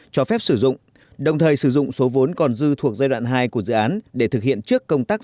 cho phép sử dụng đồng thời sử dụng số vốn còn dư thuộc giai đoạn hai của dự án để thực hiện trước công tác